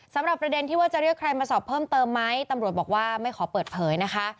ประเด็นที่ว่าจะเรียกใครมาสอบเพิ่มเติมไหมตำรวจบอกว่าไม่ขอเปิดเผยนะคะ